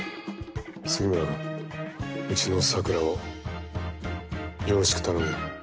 杉村君うちの咲良をよろしく頼むよ。